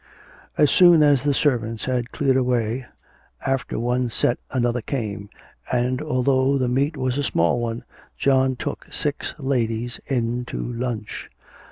As soon as the servants had cleared away after one set another came, and although the meet was a small one, John took six ladies in to lunch.